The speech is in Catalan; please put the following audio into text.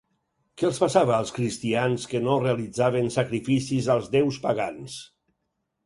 Què els passava als cristians que no realitzaven sacrificis als déus pagans?